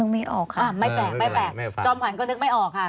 ไม่แตกจอมขวัญก็ลึกไม่ออก